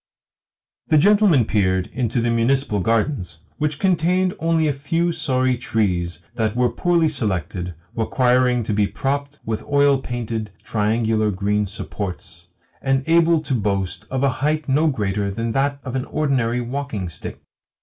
The gentleman peered also into the municipal gardens, which contained only a few sorry trees that were poorly selected, requiring to be propped with oil painted, triangular green supports, and able to boast of a height no greater than that of an ordinary walking stick.